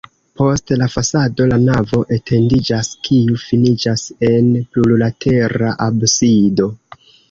Post la fasado la navo etendiĝas, kiu finiĝas en plurlatera absido.